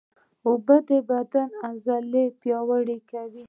اوبه د بدن عضلې پیاوړې کوي